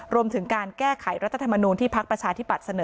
รวมถึงการแก้ไขรัฐธรรมนูลที่พักประชาธิบัตย์เสนอ